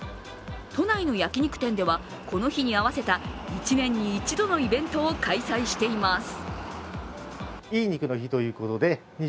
都内の焼き肉店では、この日に合わせた１年に一度のイベントを開催しています。